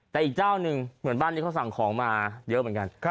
แต่อีกเจ้าหนึ่งเหมือนบ้านนี้เขาสั่งของมาเยอะเหมือนกัน